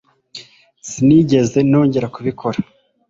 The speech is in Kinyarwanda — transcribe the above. sinigeze nongera kubikora